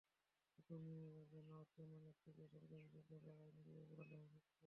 ছোট মেয়ে চেন চেননু একটি বেসরকারি বিশ্ববিদ্যালয়ের আইন বিভাগে পড়াশোনা করছে।